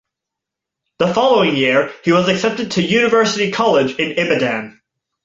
The following year, he was accepted to University College in Ibadan.